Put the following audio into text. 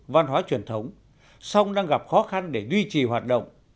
văn hóa truyền thống song đang gặp khó khăn để duy trì hoạt động